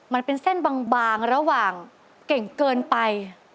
มันเป็นเส้นบางระหว่างเก่งเกินไป